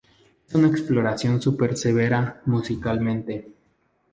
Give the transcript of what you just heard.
En una exploración súper severa musicalmente.